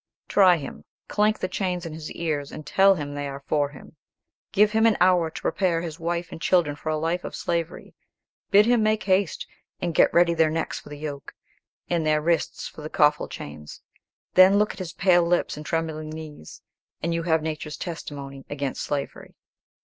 Try him! Clank the chains in his ears, and tell him they are for him; give him an hour to prepare his wife and children for a life of slavery; bid him make haste, and get ready their necks for the yoke, and their wrists for the coffle chains; then look at his pale lips and trembling knees, and you have nature's testimony against slavery."